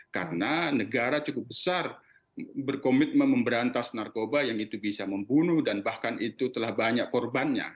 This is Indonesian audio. karena negara cukup besar berkomitmen memberantas narkoba yang itu bisa membunuh dan bahkan itu telah banyak korbannya